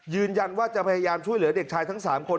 ยืนยันว่าจะพยายามช่วยเหลือเด็กชายทั้ง๓คน